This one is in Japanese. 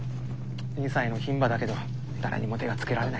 ２歳の牝馬だけど誰にも手がつけられない。